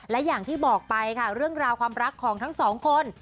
และอย่างที่บอกไปค่ะเรื่องราวความรักของทั้งสองคน